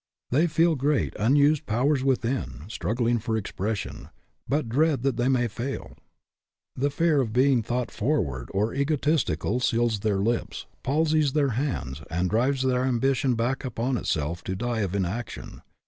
They feel great unused powers within struggling for expression, but dread that they may fail. The fear of being thought forward or egotistical seals their lips, palsies their hands, and drives their ambition back upon itself to die of inaction.